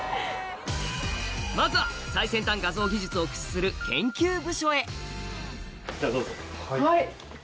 まずは最先端画像技術を駆使する研究部署へこちらどうぞ。